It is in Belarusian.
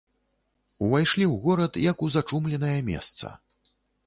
Увайшлі ў горад, як у зачумленае месца.